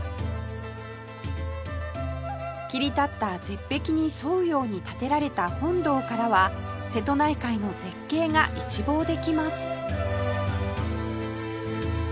切り立った絶壁に沿うように建てられた本堂からは瀬戸内海の絶景が一望できます